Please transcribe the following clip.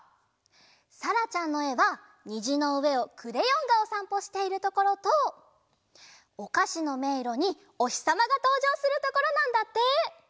さらちゃんのえはにじのうえをクレヨンがおさんぽしているところとおかしのめいろにおひさまがとうじょうするところなんだって！